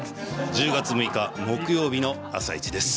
１０月６日木曜日の「あさイチ」です。